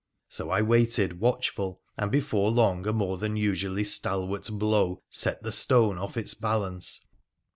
So I waited watch ful, and before long a more than usually stalwart blow set the stone off its balance.